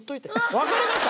わかりました。